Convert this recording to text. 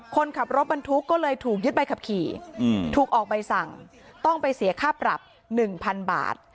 คนขับรถบรรทุกก็เลยถูกยึดใบขับขี่ถูกออกใบสั่งต้องไปเสียค่าปรับ๑๐๐๐บาท